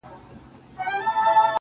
هغې ويل ته خو ضرر نه دی په کار,